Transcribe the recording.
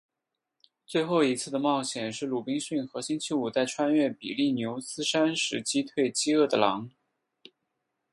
最后一次的冒险是鲁滨逊和星期五在穿越比利牛斯山时击退饥饿的狼。